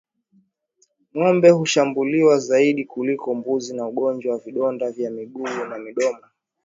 Ngombe hushambuliwa zaidi kuliko mbuzi na ugonjwa wa vidonda vya miguu na midomo